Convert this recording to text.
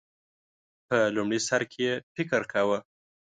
په لومړی سر کې یې فکر کاوه